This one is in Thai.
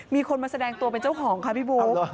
มีคนมาแสดงตัวเป็นเจ้าของค่ะพี่บุ๊ค